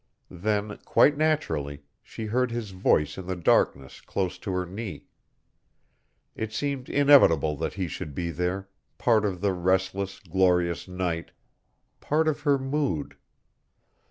Then, quite naturally, she heard his voice in the darkness close to her knee. It seemed inevitable that he should be there; part of the restless, glorious night, part of her mood.